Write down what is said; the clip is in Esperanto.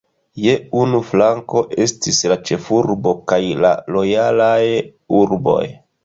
Je unu flanko estis la ĉefurbo kaj la lojalaj urboj.